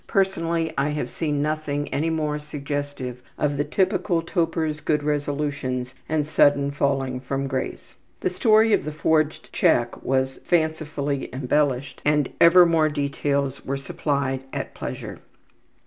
Personally I have seen nothing any more suggestive of the typical toper's good resolutions and sudden falling from grace. The story of the forged check was fancifully embellished and ever more details were supplied at pleasure.